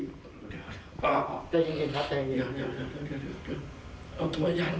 เดี๋ยวเอาตัวยานหน่อยค่ะ